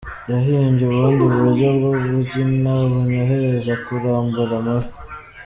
Yahimbye ubundi buryo bwo kubyina bunyorohereza kurambura amavi.